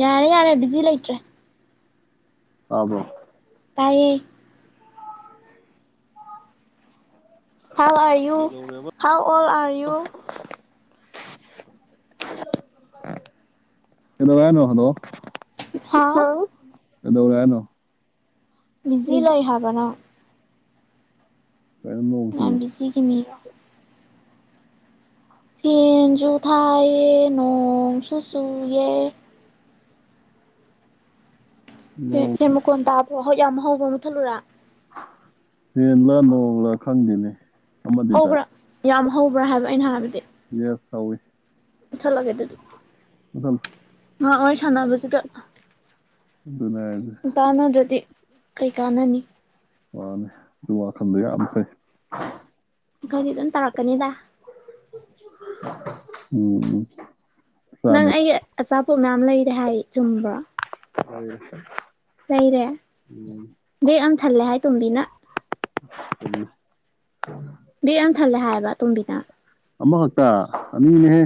ꯌꯥꯔꯦ ꯌꯥꯔꯦ ꯕꯤꯖꯤ ꯂꯩꯇ꯭ꯔꯦ ꯇꯥꯕ꯭ꯔꯣ ꯇꯩꯌꯦ ꯍꯥꯎ ꯑꯥꯔ ꯌꯨ ꯀꯩꯗꯧꯔꯦꯕ ꯍꯥꯎ ꯑꯣꯜ ꯑꯥꯔ ꯌꯨ [inaudible] ꯀꯩꯗꯧꯋꯦ ꯍꯥꯏꯅꯣ ꯍꯂꯣ ꯍꯥꯥꯎ ꯀꯩꯗꯧꯔꯦ ꯍꯥꯏꯅꯣ ꯕꯤꯖꯤ ꯂꯩ ꯍꯥꯏꯕ ꯅꯪ ꯀꯩꯅꯣ ꯅꯣꯡ ꯆꯨ ꯌꯥꯝ ꯕꯤꯖꯤꯒꯤ ꯃꯤꯔꯣ ꯐꯦꯟꯖꯨ ꯊꯥꯏꯌꯦ ꯅꯣꯡꯁꯨ ꯆꯨꯌꯦ ꯐꯦ ꯅꯣꯡ ꯐꯦꯟ ꯃꯈꯣꯟ ꯇꯥꯕ꯭ꯔꯣ ꯍꯣꯏꯠ ꯌꯥꯝ ꯍꯧꯕ ꯃꯨꯠꯊꯠꯂꯨꯔꯥ ꯍꯦꯟꯂꯥ ꯅꯣꯡꯂꯥ ꯈꯪꯗꯦꯅꯦ ꯑꯃꯗꯤ ꯇꯥꯏ ꯍꯧꯕ꯭ꯔꯥ ꯌꯥꯝ ꯍꯧꯕ꯭ꯔ ꯍꯥꯏꯕ ꯑꯩꯅ ꯍꯥꯏꯕꯗꯤ ꯌꯦꯁ ꯍꯧꯋꯤ ꯃꯨꯠꯊꯠꯂꯒꯦ ꯗꯨꯗꯤ [unintelligible] ꯉꯍꯥꯛ ꯋꯥꯔꯤ ꯁꯥꯟꯅꯕꯁꯤꯗ ꯎꯝ ꯎ ꯄꯥꯜꯅꯗ꯭ꯔꯗꯤ ꯀꯩ ꯀꯥꯟꯅꯅꯤ ꯋꯥꯅꯦ ꯑꯗꯨ ꯋꯥ ꯈꯟꯕ ꯌꯥꯝ ꯐꯩ ꯑꯩꯈꯣꯏꯗꯤ ꯑꯗꯨꯝ ꯇꯧꯔꯛꯀꯅꯤꯗ [inaudible] ꯎꯝ ꯎꯝ ꯅꯪ ꯑꯩꯒꯤ ꯑꯆꯥ ꯄꯣꯠ ꯃꯌꯥꯝ ꯂꯩꯔꯦ ꯍꯥꯏ ꯆꯨꯝꯕ꯭ꯔꯣ [unintelligible] ꯂꯩꯔꯦ ꯎꯝ ꯕꯦꯛ ꯑꯝ ꯊꯜꯂꯦ ꯍꯥꯏ ꯇꯣꯝꯕꯤꯅ [inaudible] ꯕꯦꯛ ꯑꯝ ꯊꯜꯂꯦ ꯍꯥꯏꯌꯦꯕ ꯇꯣꯝꯕꯤꯅ ꯑꯃꯈꯛꯇ ꯑꯅꯤꯅꯦꯍꯦ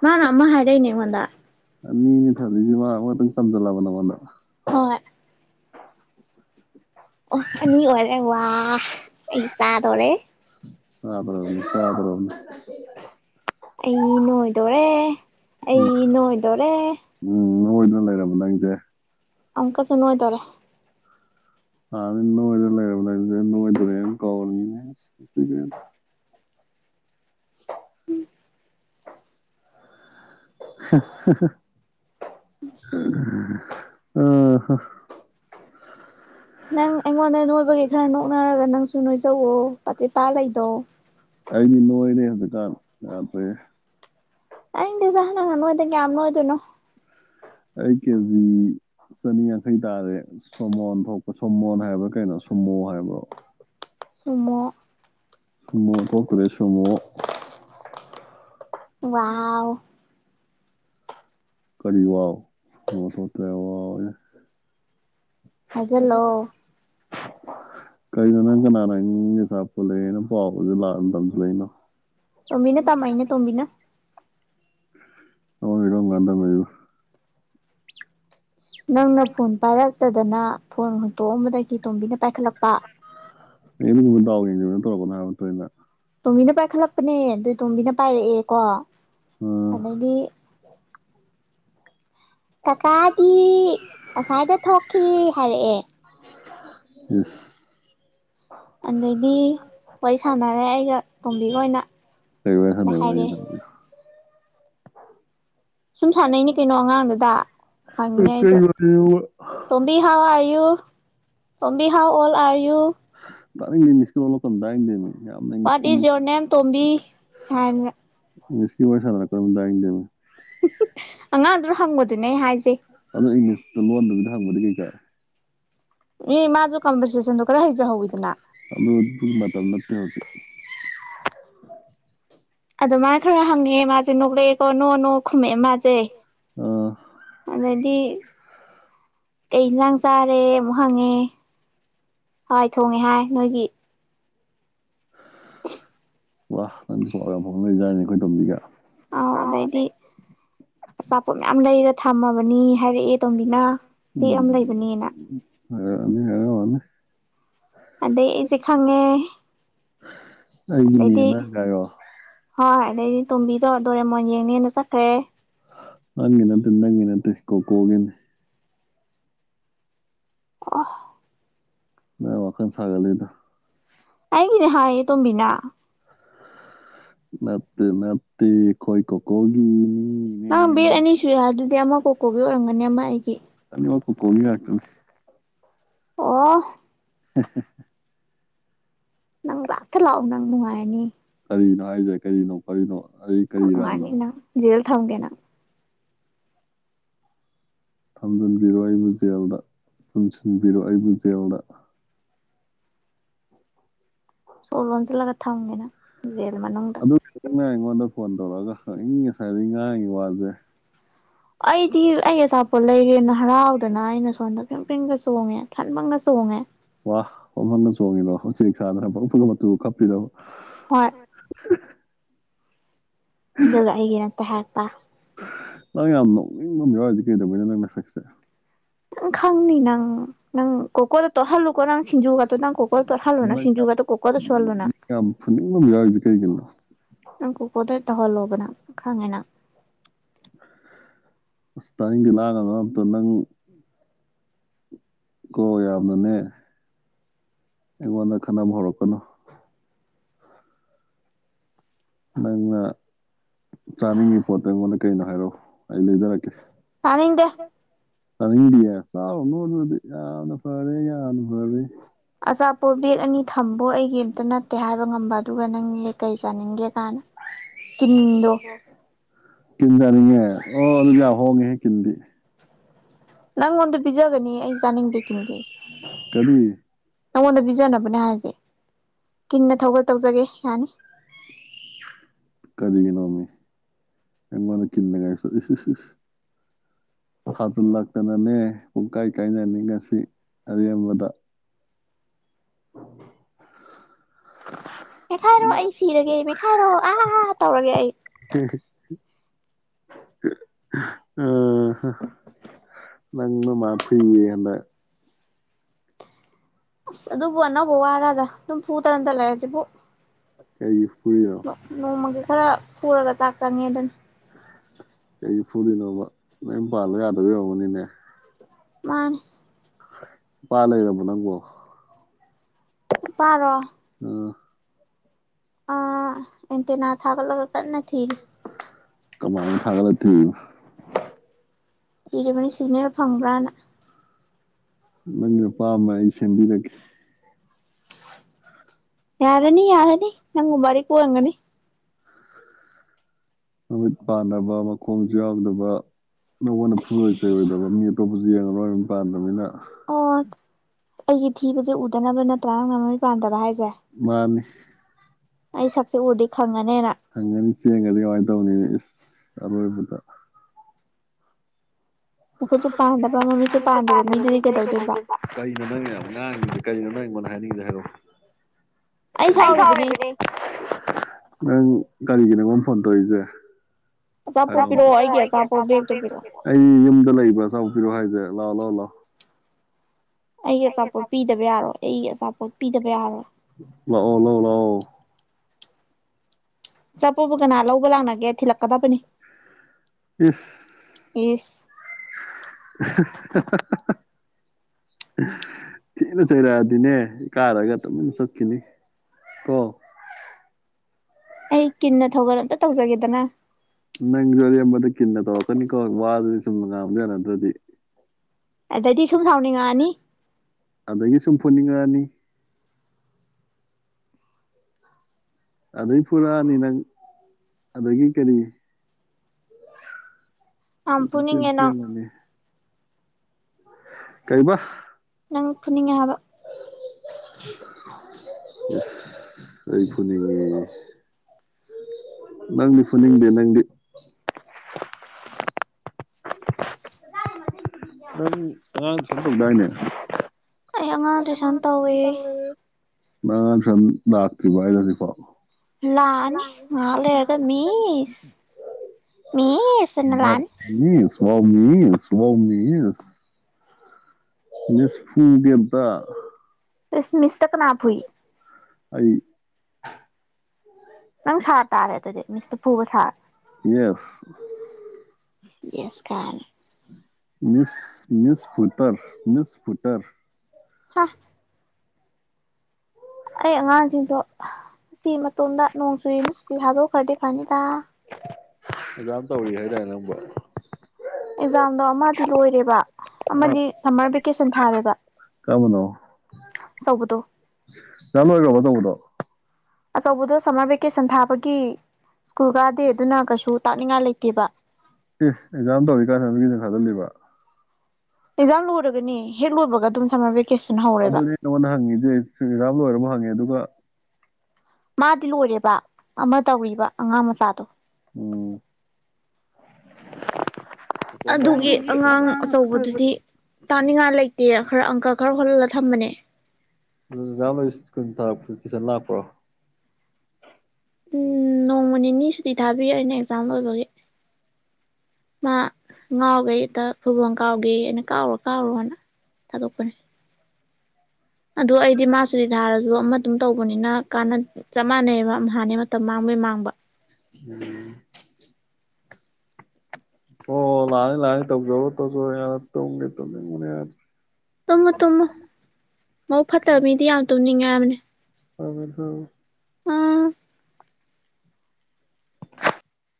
ꯃꯥꯅ ꯑꯃꯥ ꯍꯥꯏꯔꯛꯏꯅꯦ ꯑꯩꯉꯣꯟꯗꯥ [unintelligible] ꯑꯅꯤꯅꯤ ꯊꯝꯗꯥꯏꯖꯦ ꯃꯥ ꯑꯃꯈꯛꯇꯪ ꯇꯝꯖꯟꯂꯕ ꯅꯉꯣꯟꯗ ꯍꯣꯏ ꯑꯣ ꯑꯅꯤ ꯑꯣꯏꯔꯦ ꯋꯥ ꯑꯩ ꯆꯥꯗꯣꯔꯦ ꯆꯗꯣꯔꯝꯅꯤ ꯆꯥꯗꯣꯔꯝꯅꯤ ꯑꯩ ꯅꯣꯏꯗꯣꯔꯦ ꯑꯩ ꯅꯣꯏꯗꯣꯔꯦ ꯅꯣꯏꯗꯨꯅ ꯂꯩꯔꯕ ꯅꯪꯁꯦ ꯑꯃꯨꯛꯀꯁꯨ ꯅꯣꯏꯗꯣꯔꯦ ꯍꯟꯅꯗꯩꯩ ꯅꯣꯏꯗꯨꯅ ꯂꯩꯔꯕ ꯅꯡꯁꯦ ꯅꯣꯏꯗꯣꯔꯦꯅ ꯀꯧꯔꯤꯝꯅꯤꯅꯦ ꯑꯁ ꯅꯨꯡꯁꯤꯒꯔ꯭ꯦꯗꯥ ꯎꯝ [unintelligible] [unintelligible] ꯑꯥ ꯍꯥ ꯅꯪ ꯑꯩꯉꯣꯟꯗ ꯅꯣꯏꯕꯒꯤ ꯈꯔ ꯅꯣꯛꯅꯔꯒ ꯅꯪꯁꯨ ꯅꯣꯏꯖꯧꯑꯣ ꯄꯥꯇ꯭ꯔꯤꯄꯥ ꯂꯩꯗꯣ ꯑꯩꯗꯤ ꯂꯣꯏꯔꯦ ꯍꯧꯖꯤꯛ ꯀꯥꯟ ꯌꯥꯗ꯭ꯔꯦ ꯍꯦ ꯇꯥꯏꯅꯤꯡꯗꯦꯗ ꯅꯪꯅ ꯅꯣꯏꯗꯅ ꯀꯌꯥꯝ ꯅꯣꯏꯗꯣꯏꯅꯣ ꯑꯩ ꯀꯦꯖꯤ ꯆꯅꯤ ꯌꯥꯡꯈꯩ ꯇꯥꯔꯦ ꯁꯣꯃꯣꯟ ꯊꯣꯛꯄ ꯁꯣꯃꯣꯟ ꯍꯥꯏꯕ꯭ꯔꯥ ꯀꯩꯅꯣ ꯁꯨꯝꯃꯣ ꯍꯥꯏꯕ꯭ꯔꯣ ꯁꯨꯃꯣ ꯁꯨꯃꯣ ꯊꯣꯛꯇꯣꯔꯦ ꯁꯨꯝꯃꯣ ꯋꯥꯎ ꯀꯔꯤ ꯋꯥꯎ ꯁꯨꯃꯣ ꯊꯣꯛꯇꯣꯔꯦ ꯍꯥꯢꯔ ꯋꯥꯎ ꯑꯅꯦ ꯍꯥꯏꯖꯟꯂꯣ ꯀꯩꯅꯣ ꯅꯪ ꯀꯅꯥꯅꯥ ꯑꯩ ꯃꯤ ꯑꯆꯥꯄꯣꯠ ꯂꯩ ꯑꯦꯅꯥ ꯄꯥꯎꯒꯁꯦ ꯂꯟꯅꯥ ꯇꯝꯖꯅꯂꯛꯏꯅꯣ ꯇꯣꯝꯕꯤꯅ ꯇꯥꯝꯃꯛꯏꯅꯦ ꯇꯣꯝꯕꯤꯅꯥ [unintelligible] ꯅꯪꯅ ꯐꯣꯟ ꯄꯥꯏꯔꯛ ꯠꯇꯗꯅ ꯐꯣꯟ ꯍꯨꯟꯇꯣꯛꯑꯃꯕꯗꯒꯤ ꯇꯣꯝꯕꯤꯅ ꯄꯥꯏꯈꯠꯂꯛꯄ [inaudible] ꯗꯥꯎ ꯌꯦꯡꯕꯤꯗꯣ ꯇꯧꯔꯥꯛꯀꯅꯣ ꯍꯥꯌꯕ ꯅꯥꯠꯇꯔꯣ ꯑꯩꯅꯥ ꯇꯣꯝꯕꯤꯅ ꯄꯥꯏꯈꯠꯂꯛꯄꯅꯦ ꯑꯗꯩꯩ ꯇꯣꯝꯕꯤꯅ ꯄꯥꯏꯔꯛꯑꯦꯀꯣ ꯑꯥ ꯑꯗꯩꯗꯤ ꯀꯥꯀꯥꯗꯤ ꯑꯁꯥꯏꯗ ꯊꯣꯛꯈꯤ ꯍꯥꯏꯔꯛꯑꯦ ꯏꯁ ꯑꯗꯩꯗꯤ ꯋꯥꯔꯤ ꯁꯥꯟꯅꯔꯦ ꯑꯩꯒ ꯇꯣꯝꯕꯤꯒ ꯑꯣꯏꯅ ꯀꯩ ꯋꯥꯔꯤ ꯁꯥꯅꯗꯣꯏꯕꯥ ꯅꯪꯗꯤ ꯍꯥꯏꯔꯛꯑꯦ ꯇꯣꯝꯕꯤꯒ [inaudible] ꯁꯨꯝ ꯁꯥꯟꯅꯩꯅꯦ ꯀꯩꯅꯣ ꯑꯉꯥꯡꯗꯨꯗ ꯍꯪꯉꯤꯅꯦ ꯀꯩ ꯑꯩꯁꯨ ꯋꯥꯔꯤꯅꯣꯕ ꯇꯣꯝꯕꯤ ꯍꯥꯎ ꯑꯥꯔ ꯌꯨꯨ ꯇꯝꯕꯤ ꯍꯥꯎ ꯑꯣꯜ ꯑꯥꯔ ꯌꯨ ꯇꯥꯅꯤꯡꯗꯦ ꯏꯪꯂꯤꯁꯀ ꯂꯣꯜꯂꯛꯀꯅꯨ ꯗꯥꯏꯅꯤꯡꯗꯦꯕ ꯋꯥꯠ ꯏꯁ ꯌꯣꯔ ꯅꯦꯝ ꯇꯣꯝꯕꯤ ꯍꯥꯏꯅ ꯀꯤ ꯁꯥꯟꯅꯔꯛꯀꯅꯣ ꯇꯥꯅꯤꯡꯗꯦꯃꯦ ꯑꯉꯥꯡꯗꯨꯔ ꯍꯪꯕꯗꯨ ꯑꯗꯣ ꯏꯪꯂꯤꯁꯇꯣ ꯂꯣꯟꯗꯕꯤꯅ ꯍꯪꯕꯗꯤ ꯀꯩꯀꯥꯏ ꯃꯤ ꯃꯥꯁꯨ ꯀꯝꯕꯔꯁꯦꯁꯟꯗꯣ ꯑꯗꯣ ꯗꯨꯏ ꯃꯇꯝ ꯅꯠꯇꯦ ꯍꯧꯖꯤꯛ ꯑꯗꯃꯥꯏ ꯈꯔ ꯍꯪꯉꯑꯦ ꯃꯥꯁꯦ ꯅꯣꯛꯂꯛꯑꯦꯀꯣ ꯅꯣꯛ ꯅꯣꯛ ꯈꯨꯝꯃꯛꯑꯦ ꯃꯥꯁꯦ ꯑ ꯑꯗꯩꯗꯤ ꯀꯩ ꯏꯟꯖꯥꯡ ꯆꯥꯔꯦ ꯑꯃꯨꯛ ꯍꯪꯉꯦ ꯍꯋꯥꯏ ꯊꯣꯡꯉꯦ ꯍꯥꯏ ꯅꯣꯏꯒꯤ ꯋꯥ ꯅꯪꯗꯤ ꯄꯥꯎ ꯌꯥꯝ ꯐꯥꯎꯅꯩꯖꯥꯅꯤꯅ ꯑꯩꯈꯣꯏ ꯇꯣꯝꯕꯤꯒ ꯑꯥꯎ ꯑꯗꯩꯗꯤ ꯑꯆꯥꯄꯣꯠ ꯃꯌꯥꯝ ꯂꯩꯔ ꯊꯝꯃꯕꯅꯤ ꯍꯥꯏꯔꯛꯑꯦ ꯇꯣꯝꯕꯤꯅꯥ ꯄꯤ ꯑꯃ ꯂꯩꯕꯅꯦꯅ ꯍꯥꯏꯔꯑꯝꯃꯅꯤ ꯍꯥꯏꯔꯑꯝꯃꯅꯤ ꯑꯗꯩ ꯑꯩꯁꯦ ꯈꯪꯉꯦ ꯑꯗꯩꯗꯤ ꯑꯩꯒꯤꯅꯦꯅ ꯀꯥꯏꯌꯣ ꯍꯣꯏ ꯑꯗꯩꯗꯤ ꯇꯣꯝꯕꯤ ꯑꯗꯣ ꯗꯣꯔꯦꯃꯣꯟ ꯌꯦꯡꯅꯦꯅ ꯆꯠꯈ꯭ꯔꯦ ꯅꯪꯒꯤ ꯅꯠꯇꯦ ꯅꯪꯒꯤ ꯅꯠꯇꯦ ꯀꯣꯀꯣꯒꯤꯅꯤ ꯑꯣ ꯅꯪꯅ ꯋꯥꯈꯟ ꯁꯥꯒꯠ ꯂꯤꯗꯣ ꯑꯩꯒꯤꯅꯦ ꯍꯥꯏꯌꯦ ꯇꯣꯝꯕꯤꯅꯥ ꯅꯠꯇꯦ ꯅꯠꯇꯦ ꯈꯣꯏ ꯀꯣꯀꯣꯒꯤ ꯅꯪ ꯕꯦꯠ ꯑꯅꯤꯁꯨꯏ ꯍꯥꯏꯗꯨꯗꯤ ꯑꯃ ꯀꯣꯛ ꯀꯣꯕꯤ ꯑꯣꯏꯔꯝꯒꯅꯤ ꯑꯃ ꯑꯩꯒꯤ ꯌꯥꯎ ꯀꯣꯀꯣꯒꯤ ꯉꯥꯛꯇꯅꯦ ꯑꯣ [inaudible] ꯅꯪ ꯂꯥꯛꯇ ꯂꯥꯛꯑꯣ ꯅꯪ ꯅꯨꯡꯉꯥꯏꯔꯅꯤ ꯀꯔꯤꯅꯣ ꯍꯥꯏꯖꯦ ꯀꯔꯤꯅꯣ ꯀꯔꯤꯅꯣ ꯑꯩ ꯅꯪ ꯀꯔꯤ ꯔꯥꯟꯅꯣ ꯅꯨꯡꯉꯥꯏꯅꯤ ꯅꯪ ꯖꯦꯜ ꯊꯝꯒꯦ ꯅꯪ ꯊꯝꯖꯤꯟꯕꯤꯔꯣ ꯑꯩꯕꯨ ꯖꯦꯜꯗ ꯄꯨꯟꯁꯤꯟꯕꯤꯔꯣ ꯑꯩꯕꯨ ꯖꯦꯜꯗ ꯁꯣꯂꯣꯟꯁꯤꯜꯂꯒ ꯊꯝꯒꯦ ꯅꯪ ꯔꯦꯜ ꯃꯅꯨꯡꯗ ꯑꯗꯨꯒꯤ ꯅꯪꯅ ꯑꯩꯉꯣꯟꯗ ꯐꯣꯟ ꯇꯧꯔꯛꯑꯒ ꯃꯤ ꯉꯁꯥꯏꯗꯒꯤ ꯉꯔꯥꯡꯒꯤ ꯋꯥꯁꯦ ꯑꯩꯗꯤ ꯑꯩ ꯑꯆꯥꯄꯣꯠ ꯂꯩꯔꯦꯅ ꯍꯔꯥꯎ ꯗꯅ ꯑꯩꯅ ꯁꯣꯟꯗ ꯐ꯭ꯔꯤꯡ ꯐ꯭ꯔꯤꯡꯒ ꯆꯣꯡꯉꯦ ꯐ꯭ꯔꯪ ꯐ꯭ꯔꯪꯒ ꯆꯣꯡꯉꯦ ꯋꯥ ꯐꯟ ꯐꯟꯒ ꯆꯣꯡꯉꯤꯔꯣ ꯎꯆꯦꯛ ꯁꯥꯗꯅ ꯐꯗꯪ ꯐꯗꯪ ꯃꯇꯨꯒ ꯈꯞꯄꯤꯔꯣ ꯍꯣꯏ [inaudible] ꯗꯨꯒ ꯑꯩꯒꯤ ꯅꯠꯇꯦ ꯍꯥꯏꯕ ꯅꯪ ꯌꯥꯝ ꯂꯣꯛꯅꯤꯡꯕ ꯑꯝ ꯌꯥꯎꯔꯤꯖꯦ ꯀꯩꯗꯧꯕꯩꯅꯣ ꯅꯪ ꯅꯁꯛꯁꯦ ꯅꯪ ꯈꯪꯅꯤ ꯅꯪ ꯅꯪ ꯀꯣꯀꯣꯗ ꯇꯣꯠꯍꯜꯂꯨꯀꯣ ꯅꯪ ꯁꯤꯡꯖꯨꯒ ꯅꯪ ꯀꯣꯀꯣꯗ ꯇꯣꯠꯍꯜꯂꯣ ꯅꯪ ꯁꯤꯡꯖꯨꯒꯗꯣ ꯀꯣꯀꯣꯗ ꯁꯨꯍꯜꯂꯣ ꯅꯪ ꯌꯥꯝ ꯐꯨꯅꯤꯡꯕ ꯑꯃ ꯌꯥꯎꯔꯤꯁꯦ ꯀꯩꯒꯤꯅꯣ ꯅꯪ ꯀꯣꯀꯣꯗ ꯇꯧꯍꯜꯂꯣꯕ ꯅꯪ ꯈꯪꯉꯦ ꯅꯪ ꯑꯁ ꯇꯅꯤꯡꯗꯦ ꯂꯥꯛꯒꯅꯣ ꯑꯝꯇ ꯅꯪ ꯀꯣ ꯌꯥꯝꯅꯅꯦ ꯑꯩꯉꯣꯟꯗ ꯈꯟꯅꯕ ꯍꯧꯔꯛꯀꯅꯨ ꯅꯪꯅ ꯆꯥꯅꯤꯡꯉꯤ ꯄꯣꯠꯇꯣ ꯑꯩꯉꯣꯟꯗ ꯀꯩꯅꯣ ꯍꯥꯏꯔꯛꯑꯣ ꯑꯩ ꯂꯩꯕꯤꯔꯛꯀꯦ ꯇꯅꯤꯡꯗꯦ ꯇꯅꯤꯡꯗꯤꯌꯦ ꯆꯥꯎꯔꯨꯅꯨ ꯗꯨꯗꯤ ꯌꯥꯝꯅ ꯐꯥꯔꯦ ꯌꯥꯝꯅ ꯐꯔꯦ ꯑꯆꯥꯄꯣꯠ ꯕꯦꯛ ꯑꯅꯤ ꯊꯝꯕꯣ ꯑꯩꯒꯤ ꯑꯝꯇ ꯅꯠꯇꯦ ꯍꯥꯏꯕ ꯍꯥꯏꯕ ꯉꯝꯕ ꯑꯗꯨꯒ ꯅꯪꯅꯦ ꯀꯩ ꯆꯥꯅꯤꯡꯒꯦ ꯅ ꯀꯤꯟꯗꯣ ꯀꯤꯟ ꯆꯥꯅꯤꯡꯉꯦ ꯑꯣ ꯗꯨꯗꯤ ꯌꯥꯝ ꯍꯣꯡꯉꯤꯍꯦ ꯀꯤꯟꯗꯤ ꯅꯉꯣꯟꯗ ꯄꯤꯖꯒꯅꯤ ꯑꯩ ꯆꯥꯅꯤꯡꯗꯦ ꯀꯤꯟꯗꯤ ꯀꯔꯤ ꯅꯪꯉꯣꯟꯗ ꯄꯤꯖꯅꯕꯅꯦ ꯍꯥꯏꯖꯦ ꯀꯤꯟꯅ ꯊꯒꯜ ꯇꯧꯖꯒꯦ ꯌꯥꯅꯤ ꯀꯔꯤꯒꯤꯅꯣꯃꯤ ꯑꯩꯉꯣꯟꯗ ꯀꯤꯟꯅꯒ ꯏꯁ ꯏꯁ ꯏꯁ ꯊꯥꯖꯜꯂꯛꯇꯅꯅꯦ ꯄꯨꯡꯀꯥꯏ ꯀꯥꯏꯅꯅꯤ ꯉꯁꯤ ꯑꯔꯦꯝꯕꯗ [inaudible] ꯃꯦꯈꯥꯏꯔꯣ ꯅꯪ ꯑꯩ ꯁꯤꯔꯒꯦ ꯃꯦꯈꯥꯏꯔꯣ ꯑꯥꯥ ꯑꯥ ꯇꯧꯔꯒꯦ ꯑꯩ [inaudible] ꯑꯥ ꯍꯥ ꯅꯪ ꯅꯣꯢꯃꯥ ꯐꯨꯢꯌꯦꯌꯦ ꯅ ꯑꯁ ꯑꯗꯨꯕꯨ ꯑꯅꯧꯕ ꯋꯥꯔꯗ ꯑꯗꯨꯝ ꯐꯨꯗꯅꯗ ꯂꯩꯔꯖꯤꯕꯨ ꯀꯩ ꯅꯣꯡꯃꯒꯤ ꯈꯔ ꯐꯨꯔꯒ ꯆꯥꯛ ꯆꯪꯉꯦ ꯗꯨꯅꯤ ꯀꯩꯒꯤ ꯐꯨꯗꯣꯢꯅꯣꯕ ꯅꯌꯨꯝ ꯄꯥꯜꯂꯣ ꯌꯥꯗꯕꯩ ꯑꯣꯢꯔꯝꯅꯤꯅꯦ ꯃꯥꯅꯦ ꯅꯨꯄꯥ ꯂꯩꯔꯕꯣ ꯅꯪꯕꯣ ꯅꯄꯥꯔꯣ ꯎꯝ ꯑ ꯑꯦꯟꯇꯤꯅꯥ ꯊꯥꯒꯠꯂꯒ ꯀꯟꯅ ꯊꯤꯔꯤ ꯀꯃꯥꯏꯅ ꯊꯥꯒꯠ ꯂꯥꯛꯇꯧꯔꯤꯕ ꯊꯤꯔꯤꯕꯅꯤ ꯁꯤꯒꯅꯦꯜ ꯐꯪꯕ꯭ꯔꯅ ꯅꯪ ꯅꯨꯄꯥ ꯑꯃ ꯑꯩꯟ ꯁꯦꯝꯕꯤꯔꯒꯦ ꯌꯥꯔꯅꯤ ꯌꯥꯔꯅꯤ ꯅꯪꯒꯨꯝꯕ ꯑꯔꯤꯛꯄ ꯑꯣꯢꯔꯝꯒꯅꯤ ꯃꯃꯤꯠ ꯄꯥꯟꯗꯕ ꯃꯈꯣꯡꯁꯨ ꯌꯥꯎꯗꯕ ꯅꯉꯣꯟꯗ ꯐꯨꯔꯣꯏ ꯑꯁ ꯆꯩꯔꯣꯏꯗꯕ ꯃꯤ ꯑꯇꯣꯞꯄꯖꯨ ꯌꯦꯡꯉ ꯂꯣꯏ ꯃꯤꯠ ꯄꯥꯟꯗꯝꯅꯤꯅ ꯑ ꯑꯩꯒꯤ ꯊꯤꯕꯁꯦ ꯎꯗꯅꯕ ꯅꯠꯇ꯭ꯔ ꯉꯝꯅꯃꯤꯠ ꯄꯥꯟꯗꯕ ꯍꯥꯏꯁꯦ ꯑꯦ ꯃꯥꯅꯤ ꯑꯩ ꯁꯛꯁꯦ ꯑꯨꯔꯗꯤ ꯍꯪꯒꯅꯤ ꯆꯦꯟꯒꯔꯗꯤ ꯀꯃꯥꯏ ꯇꯧꯅꯤ ꯏꯁ ꯑꯔꯣꯏꯕꯗ ꯃꯈꯣꯠꯁꯨ ꯄꯥꯟꯗꯕ ꯃꯃꯤꯠꯁꯨ ꯄꯥꯟꯗꯕ ꯃꯤꯗꯨꯗꯤ ꯀꯩꯗꯧꯗꯣꯏꯕ ꯀꯔꯤꯅꯣ ꯅꯪꯅ ꯌꯥꯝ ꯉꯥꯡꯉꯤꯁꯦ ꯀꯔꯤꯅꯣ ꯅꯪ ꯑꯩꯉꯣꯟꯗ ꯍꯥꯏꯅꯤꯡꯉꯤꯁꯦ ꯍꯥꯏꯔꯛꯑꯣ ꯑꯩ ꯁꯥꯎꯔꯤꯕꯅꯤ ꯅꯪ ꯀꯥꯔꯤꯒꯤꯅꯣ ꯑꯩꯉꯣꯟ ꯐꯣꯟ ꯇꯧꯔꯛꯏꯁꯦ ꯑꯆꯥꯄꯣꯠ ꯄꯤꯔꯛꯑꯣ ꯑꯩꯒꯤꯪ ꯑꯆꯥꯄꯣꯠ ꯕꯛꯇꯣ ꯄꯤꯔꯛꯑꯣ ꯑꯩ ꯌꯨꯝ ꯗ ꯂꯩꯕ꯭ꯔ ꯑꯆꯥꯄꯣꯠ ꯄꯤꯔꯛꯑꯣ ꯍꯥꯏꯁꯦ ꯂꯥꯎ ꯂꯥꯎ ꯂꯥꯎ ꯑꯩꯒꯤ ꯑꯆꯥꯄꯣꯠ ꯄꯤꯗꯕ ꯌꯥꯔꯣꯏ ꯑꯩꯒꯤ ꯑꯆꯥꯞ ꯄꯤꯗꯕ ꯌꯥꯔꯣꯏ ꯂꯥꯛꯑꯣ ꯂꯧꯔꯨ ꯂꯥꯎꯑꯣ ꯆꯥꯄꯣꯠꯄꯨ ꯀꯅꯥ ꯂꯧ ꯂꯥꯛꯅꯒꯦ ꯊꯤꯜꯂꯛꯀꯗꯕꯅꯤ ꯏꯁ ꯏꯁ [inaudible] ꯊꯤꯅ ꯆꯩꯔꯛꯑꯗꯤꯅꯦ ꯏꯀꯥꯏꯔꯒ ꯗꯨꯝ ꯆꯠꯈꯤꯅꯤ ꯀꯣ ꯑꯩ ꯀꯤꯟꯅ ꯊꯧꯒꯜ ꯑꯝꯇ ꯇꯧꯖꯒꯦꯗꯅ ꯅꯪꯁꯨ ꯑꯔꯦꯝꯕꯗ ꯀꯤꯟꯅ ꯇꯧꯔꯛꯀꯅꯤꯀꯣ ꯋꯥꯗꯨꯗꯤ ꯆꯨꯝꯅ ꯉꯥꯡꯕꯗ ꯌꯥꯅꯗ꯭ꯔꯗꯤ ꯑꯗꯗꯤ ꯁꯨꯝ ꯁꯥꯎꯅꯤꯡꯉꯛꯑꯅꯤ ꯑꯗꯒꯤ ꯁꯨꯝ ꯐꯨꯅꯤꯡꯉꯛꯑꯅꯤ ꯑꯗꯩ ꯐꯨꯔꯛꯑꯅꯤ ꯅꯪ ꯑꯗꯒꯤ ꯀꯔꯤ ꯌꯥꯝ ꯐꯨꯅꯤꯡꯉꯦ ꯅꯪ [unintelligible] ꯀꯩꯕ ꯅꯪ ꯐꯨꯅꯤꯡꯉꯦ ꯍꯥꯏꯕ ꯏꯁ ꯑꯩ ꯐꯨꯅꯤꯡꯉꯦꯌꯦ ꯅꯪꯗꯤ ꯐꯨꯅꯤꯡꯗꯦ ꯅꯪꯗꯤ ꯅꯪ ꯑꯉꯥꯡ ꯇꯨꯏꯁꯟ ꯇꯧꯗꯥꯏꯅꯦ ꯑꯩ ꯑꯉꯥꯡ ꯇꯨꯏꯁꯟ ꯇꯧꯋꯦ ꯅꯪ ꯑꯉꯥꯡ ꯇꯨꯁꯟ ꯂꯥꯛꯇ꯭ꯔꯤꯕ ꯍꯥꯏꯖꯦ ꯍꯧꯖꯤꯛꯐꯥꯎ ꯂꯥꯛꯑꯅꯤ ꯉꯍꯥꯛ ꯂꯩꯔꯒ ꯃꯤꯏꯁ ꯃꯤꯏꯁ ꯑꯅ ꯋꯥꯎ ꯂꯥꯛꯑꯅꯤ [unintelligible] [inaudible] ꯃꯤꯁ ꯐꯨꯒꯦ ꯑꯝꯇ ꯏꯁ ꯃꯤꯁꯇ ꯀꯅꯥ ꯐꯨꯏ ꯑꯩ ꯅꯪ ꯁꯥꯔ ꯇꯥꯔꯦ ꯑꯗꯨꯗꯤ ꯃꯤꯁꯇ ꯐꯨꯕ ꯁꯥꯔ ꯌꯦꯁ ꯌꯦꯁ ꯀꯥꯏꯅ ꯃꯤꯁ ꯃꯤꯁ ꯐꯨꯇꯔ ꯃꯤꯁ ꯐꯨꯇꯔ ꯍꯥ ꯑꯩ ꯑꯉꯥꯡꯁꯤꯡꯗꯣ ꯁꯤ ꯃꯇꯣꯝꯗ ꯅꯣꯡ ꯆꯨꯏꯅ ꯁꯨꯇꯤ ꯊꯥꯗꯣꯛꯈ꯭ꯔꯗꯤ ꯐꯅꯤꯗ ꯑꯦꯛꯖꯥꯝ ꯇꯧꯔꯤ ꯍꯥꯏꯗꯥꯏ ꯅꯪꯕꯣ ꯑꯦꯛꯖꯥꯝꯗꯣ ꯑꯃꯗꯤ ꯂꯣꯏꯔꯦꯕ ꯑꯥ ꯑꯃꯗꯤ ꯁꯝꯃꯔ ꯚꯦꯀꯦꯁꯟ ꯊꯥꯔꯦꯕ ꯀꯔꯝꯕꯅꯣ ꯑꯆꯧꯕꯗꯣ ꯑꯦꯛꯖꯥꯝ ꯂꯣꯏꯈ꯭ꯔꯕꯣ ꯇꯧꯕꯗꯣ ꯑꯆꯧꯕꯗꯣ ꯁꯝꯃꯔ ꯚꯦꯀꯦꯁꯟ ꯊꯥꯕꯒꯤ ꯁ꯭ꯀꯨꯜ ꯀꯥꯗꯦ ꯑꯗꯨꯅ ꯀꯩꯁꯨ ꯇꯥꯛꯅꯤꯉꯥꯏ ꯂꯩꯇꯦꯕ ꯑꯦ ꯑꯦꯛꯖꯥꯝ ꯇꯧꯔꯤ ꯀꯥꯟꯗ ꯚꯦꯀꯦꯁꯟ ꯊꯥꯖꯜꯂꯤꯕ ꯑꯦꯛꯖꯥꯝ ꯂꯣꯏꯔꯒꯅꯦ ꯍꯦꯛ ꯂꯣꯏꯕꯒ ꯑꯗꯨꯝ ꯁꯝꯃꯔ ꯚꯦꯀꯦꯁꯟ ꯍꯧꯔꯦꯕ ꯑꯗꯨꯅꯦ ꯅꯉꯣꯟꯗ ꯍꯪꯉꯤꯁꯦ ꯑꯦꯛꯖꯥꯝ ꯂꯣꯏꯔꯕ ꯍꯪꯉꯤ ꯑꯗꯨ ꯋꯥ ꯃꯥꯗꯤ ꯂꯣꯏꯔꯦꯕ ꯑꯃ ꯇꯧꯔꯤꯕ ꯑꯉꯥꯡ ꯃꯆꯥꯗꯣ ꯎꯝ [inaudible] ꯑꯗꯨꯒꯤ ꯑꯉꯥꯡ ꯑꯦꯛꯖꯥꯝ ꯑꯆꯧꯕꯗꯨꯗꯤ ꯇꯥꯛ ꯅꯤꯡꯉꯥꯏ ꯂꯩꯇꯦ ꯈꯔ ꯑꯪꯀꯥ ꯈꯔ ꯍꯣꯠꯍꯜꯂ ꯊꯝꯕꯅꯦ [unintelligible] ꯀꯨ ꯊꯥꯔꯛꯄꯁꯟ ꯂꯥꯛꯄ꯭ꯔꯣ ꯎꯝ ꯅꯣꯡꯃ ꯅꯤꯅꯤ ꯁꯨꯇꯤ ꯊꯥꯕꯤꯔꯅꯤ ꯑꯦꯛꯖꯥꯝ ꯂꯣꯏꯕꯒꯤ ꯃꯥ ꯉꯥꯎꯒꯩ ꯍꯦꯛꯇ ꯐꯨꯠꯕꯣꯟ ꯀꯥꯎꯒꯦꯌꯦ ꯑꯩꯅ ꯀꯥꯎꯔꯣ ꯑꯥꯎ ꯍꯥꯅ ꯊꯥꯗꯣꯛꯄꯅꯤ ꯑꯗꯨ ꯑꯩꯗꯤ ꯃꯥ ꯁꯨꯇꯤ ꯊꯥꯔꯁꯨ ꯑꯃ ꯑꯗꯨꯝ ꯇꯧꯕꯅꯤꯅ ꯀꯥꯅ ꯆꯞ ꯃꯥꯟꯅꯩꯑꯕ ꯑꯝꯍꯥꯦ ꯃꯇꯝ ꯃꯥꯡꯕꯩ ꯃꯥꯡꯕ ꯎꯝ ꯑꯣ ꯂꯥꯛꯑꯅꯤ ꯂꯥꯛꯑꯅꯤ ꯇꯧꯖꯔꯣ ꯇꯧꯖꯔꯣ ꯇꯨꯝꯒꯦ ꯇꯨꯝꯅꯤꯡꯕꯅ ꯌꯥꯗ꯭ꯔꯦ ꯇꯨꯝꯃꯨ ꯇꯨꯝꯃꯨ ꯃꯕꯨꯛ ꯐꯠꯇꯕ ꯃꯤꯗꯤ ꯌꯥꯝ ꯇꯨꯝꯅꯤꯡꯉꯦ ꯍꯥꯏꯕꯅꯦ [unintelligible] ꯎꯝ